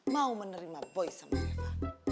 mau menerima boy sama kita